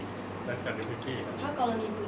ถ้ากรณีคุณภรรยาไม่มาเพราะเธอเองจะส่งมาเหมือนคราวที่แล้ว